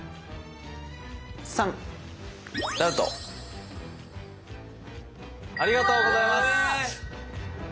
３！ありがとうございます。